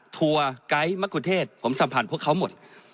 ทัวร์ไกด์มะกุเทศผมสัมผัสพวกเขาหมด